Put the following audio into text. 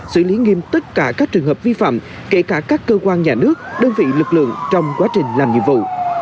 xử lý nghiêm tất cả các trường hợp vi phạm kể cả các cơ quan nhà nước đơn vị lực lượng trong quá trình làm nhiệm vụ